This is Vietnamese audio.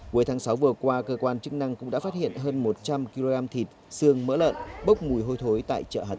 cuối tháng sáu vừa qua cơ quan chức năng cũng đã phát hiện hơn một trăm linh kg thịt xương mỡ lợn bốc mùi hôi thối tại chợ hà tĩnh